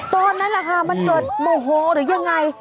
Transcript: ตอนนั้นแหละค่ะมันหยดโมโฮหรือยังไง